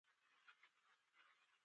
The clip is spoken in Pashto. ټولنیز اشارې د چلند پوهېدو لپاره مهمې دي.